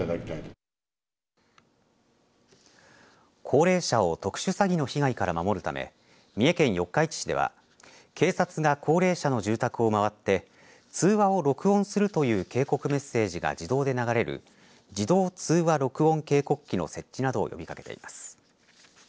高齢者を特殊詐欺の被害から守るため三重県四日市市では警察が高齢者の住宅を回って通話を録音するという警告メッセージが自動で流れる自動通話録音警告機の設置などを呼びかけています。